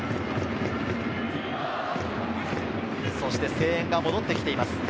声援が戻ってきています。